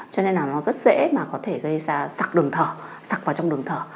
cho nên là nó rất dễ mà có thể gây ra sặc đường thở sặc vào trong đường thở